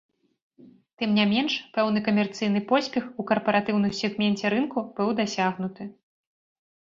Тым не менш, пэўны камерцыйны поспех у карпаратыўным сегменце рынку быў дасягнуты.